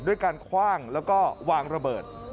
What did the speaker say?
ด้วยการคว่างแล้วก็วางระเบิด